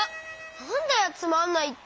なんだよつまんないって。